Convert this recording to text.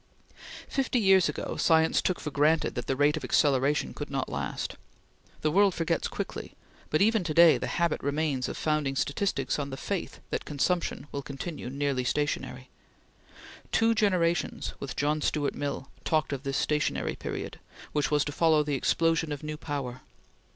Fifty years ago, science took for granted that the rate of acceleration could not last. The world forgets quickly, but even today the habit remains of founding statistics on the faith that consumption will continue nearly stationary. Two generations, with John Stuart Mill, talked of this stationary period, which was to follow the explosion of new power.